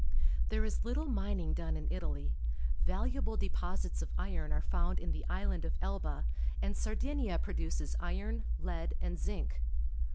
There is little mining done in Italy. Valuable deposits of iron are found in the island of Elba, and Sardinia produces iron, lead, and zinc.